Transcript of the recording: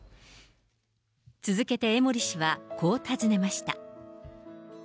続けて江森氏はこう尋ねました。